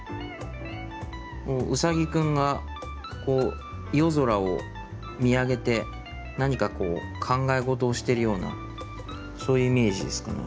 ウサギくんがこう夜空を見上げて何かこう考え事をしてるようなそういうイメージですかね。